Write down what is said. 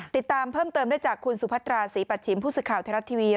ติดตามเพิ่มเติมได้จากคุณสุพัตราศรีปัชชิมผู้สื่อข่าวไทยรัฐทีวี